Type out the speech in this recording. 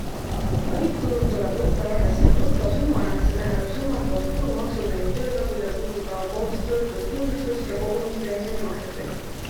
Kõik tulud tuleb võtta arvesse brutosummana, see tähendab summad koos tulumaksuga ning töötasude puhul ka koos töötuskindlustus- ja kogumispensionimaksetega.